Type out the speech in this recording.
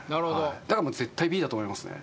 だからもう絶対Ｂだと思いますね